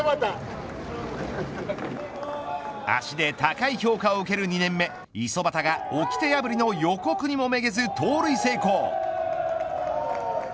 足で高い評価を受ける２年目五十幡がおきて破りの予告にもめげず盗塁成功。